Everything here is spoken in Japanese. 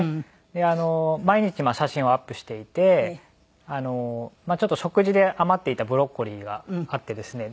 毎日写真をアップしていてちょっと食事で余っていたブロッコリーがあってですね。